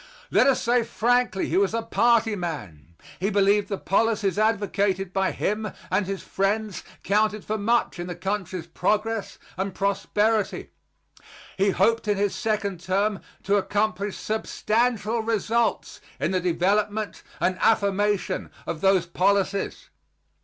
Let us say frankly he was a party man; he believed the policies advocated by him and his friends counted for much in the country's progress and prosperity. He hoped in his second term to accomplish substantial results in the development and affirmation of those policies.